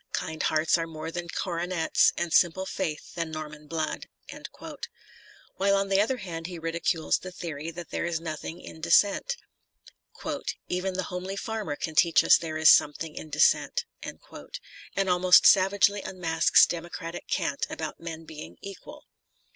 Kind hearts are more than coronets. And simple faith than Norman blood. While on the other hand he ridicules the theory that there is nothing in descent. Even the homely farmer can teach us there is something in descent. *" You ask me why, tho' ill at ease." TENNYSON 247 and almost savagely unmasks democratic cant about men being " equal."